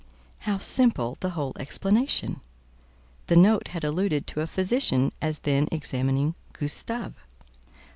How simple the whole explanation! The note had alluded to a physician as then examining "Gustave."